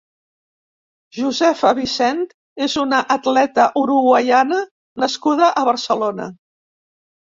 Josefa Vicent és una atleta uruguaiana nascuda a Barcelona.